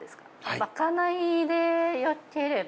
まかないでよければ。